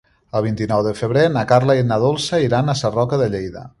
El vint-i-nou de febrer na Carla i na Dolça iran a Sarroca de Lleida.